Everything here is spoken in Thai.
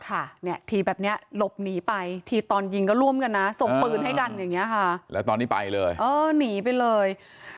ทีแบบเนี้ยหลบหนีไปทีตอนยิงก็ร่วมกันนะส่งปืนให้กันอย่างนี้ค่ะแล้วตอนนี้ไปเลยเออหนีไปเลย